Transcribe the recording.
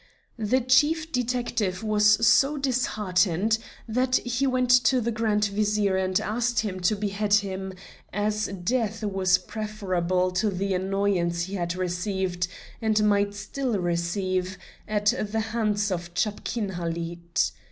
The Chief Detective was so disheartened that he went to the Grand Vizier and asked him to behead him, as death was preferable to the annoyance he had received and might still receive at the hands of Chapkin Halid.